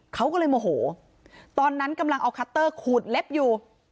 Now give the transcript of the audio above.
เขาก็เลยโมโหตอนนั้นกำลังเอาคัตเตอร์ขูดเล็บอยู่